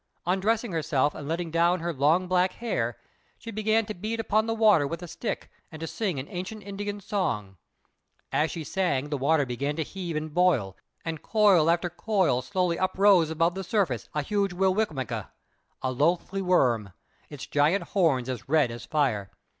Undressing herself, and letting down her long black hair, she began to beat upon the water with a stick and to sing an ancient Indian song. As she sang, the water began to heave and boil, and coil after coil slowly uprose above the surface a huge Wi will mekq', a loathly worm, its great horns as red as fire.